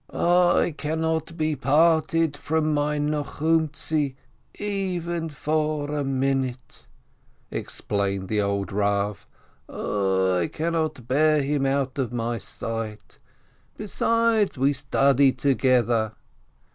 "I cannot be parted from my Nochumtzi even for a minute," explained the old Eav, "I cannot bear him out of my sight. Besides, we study together."